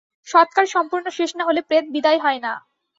সৎকার সম্পূর্ণ শেষ না হলে প্রেত বিদায় হয় না।